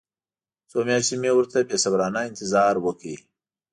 څو میاشتې مې ورته بې صبرانه انتظار وکړ.